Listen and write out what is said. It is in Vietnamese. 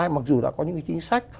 mặc dù đã có những chính sách